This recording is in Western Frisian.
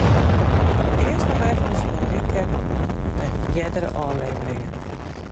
Earst noch efkes in recap fan eardere ôfleveringen.